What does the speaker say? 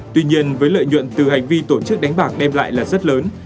tuy nhiên với lợi nhuận từ hành vi tổ chức đánh bạc đem lại là rất lớn